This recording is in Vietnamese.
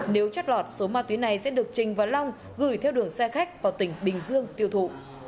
nếu chót lọt số ma túy này sẽ được trình và long gửi theo đường xe khách vào tỉnh bình dương tiêu thụ